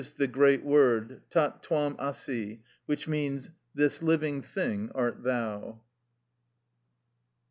the great word: "Tat twam asi," which means, "this living thing art thou."